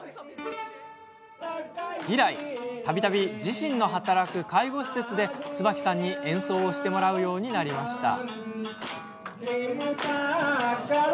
以来、たびたび自身の働く介護施設で椿さんに演奏をしてもらうようになりました。